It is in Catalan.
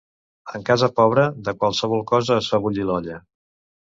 En casa pobra, de qualsevol cosa es fa bullir l'olla.